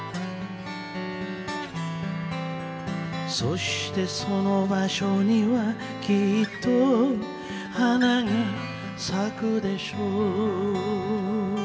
「そしてその場所にはきっと花が咲くでしょう」